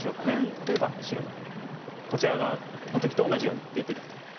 例えば白がこちら側の時と同じように出てみた。